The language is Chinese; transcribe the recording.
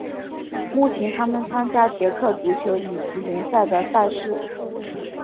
目前他们参加捷克足球乙级联赛的赛事。